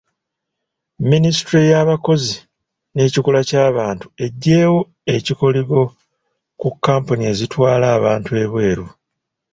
Minisitule y'abakozi n'ekikula kya bantu eggyeewo ekkoligo ku kkampuni ezitwala abantu ebweru.